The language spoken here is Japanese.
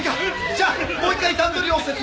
じゃあもう一回段取りを説明するぞ。